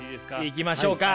いきましょうか。